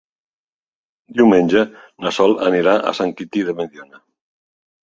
Diumenge na Sol anirà a Sant Quintí de Mediona.